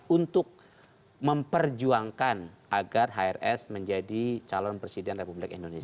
untuk memperjuangkan agar hrs menjadi calon presiden republik indonesia